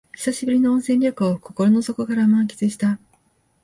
久しぶりの温泉旅行を心の底から満喫した